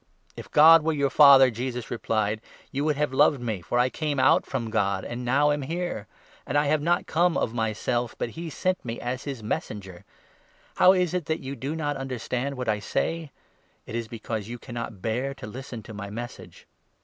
" If God were your Father," Jesus replied, "you would have 42 loved me, for I came out from God, and now am here ; and I have not come of myself, but he sent me as his Messenger. How is it that you do not understand what I say? It is because 43 you cannot bear to listen to my Message.